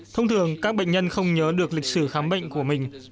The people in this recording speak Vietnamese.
thông thường các bệnh nhân không nhớ được lịch sử khám bệnh của mình